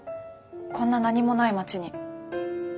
こんな何もない町に。